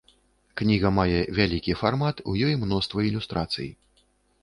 Кніга мае вялікі фармат, у ёй мноства ілюстрацый.